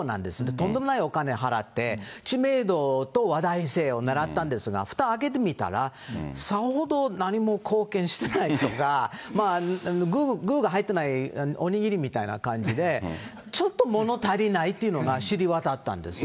とんでもないお金払って、知名度と話題性をねらったんですが、ふた開けてみたら、さほど何も貢献してないとか、具が入ってないお握りみたいな感じで、ちょっと物足りないというのが知れ渡ったんですね。